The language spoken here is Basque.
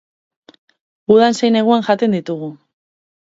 Udan zein neguan jaten ditugu.